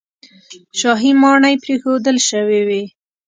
شاهي ماڼۍ پرېښودل شوې وې.